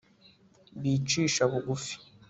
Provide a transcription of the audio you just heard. bicisha bugufi